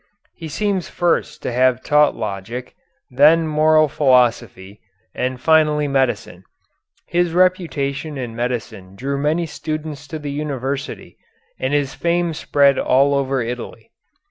He seems first to have taught Logic, then Moral Philosophy, and finally Medicine. His reputation in medicine drew many students to the university, and his fame spread all over Italy.